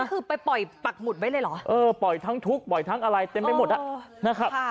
คือไปปล่อยปักหมุดไว้เลยเหรอเออปล่อยทั้งทุกข์ปล่อยทั้งอะไรเต็มไปหมดอ่ะนะครับ